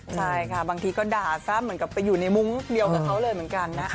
ใช่ค่ะบางทีก็ด่าซ้ำเหมือนกับไปอยู่ในมุ้งเดียวกับเขาเลยเหมือนกันนะ